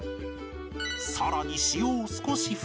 さらに塩を少し振りかけると